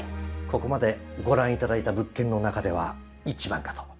ここまでご覧いただいた物件の中では一番かと。